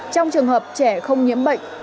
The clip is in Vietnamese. trong trường hợp trẻ không nhiễm bệnh